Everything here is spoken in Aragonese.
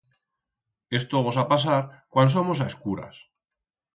Esto gosa pasar cuan somos a escuras.